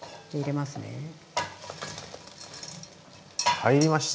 入りました。